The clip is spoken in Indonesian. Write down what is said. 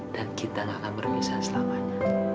dan kita nggak akan berpisah selamanya